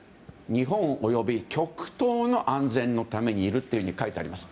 日本及び極東の安全のためにいると書いてあります。